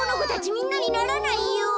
みんなにならないよ。